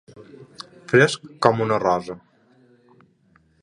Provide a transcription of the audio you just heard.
Fresc com una rosa.